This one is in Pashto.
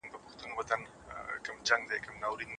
د شخصیت وده د ټولنې لپاره مهمه ده.